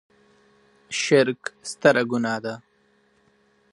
شرک ستره ګناه ده.